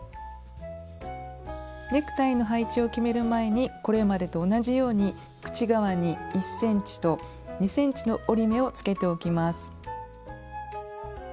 ネクタイの配置を決める前にこれまでと同じように口側に１ｃｍと２ｃｍの折り目をつけておきます。